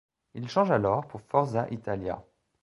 Il change alors pour Forza Italia.